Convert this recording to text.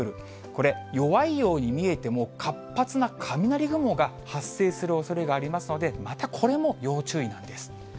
これ、弱いように見えても、活発な雷雲が発生するおそれがありますので、またこれも要注意なんです。